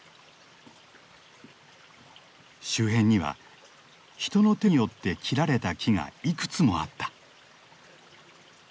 周辺には人の手によって切られた木がいくつもあった。